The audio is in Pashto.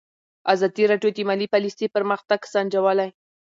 ازادي راډیو د مالي پالیسي پرمختګ سنجولی.